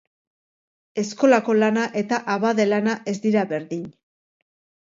Eskolako lana eta abade lana ez dira berdin.